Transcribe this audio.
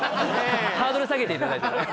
ハードル下げていただいて。